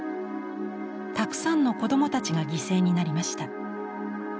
たくさんの子どもたちが犠牲になりました。